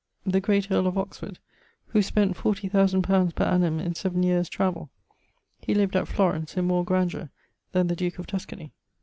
the great earle of Oxford, who spent fourty thousand pounds per annum in seaven yeares travell. He lived at Florence in more grandeur than the duke of Tuscany.